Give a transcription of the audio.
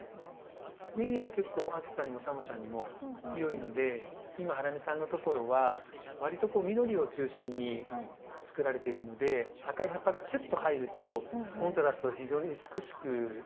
メギも結構暑さにも寒さにも強いので今ハラミさんのところはわりと緑を中心につくられているので赤い葉っぱがきゅっと入るとコントラスト非常に美しく決まりそうですし。